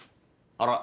あら。